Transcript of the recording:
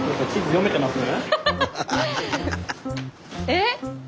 えっ？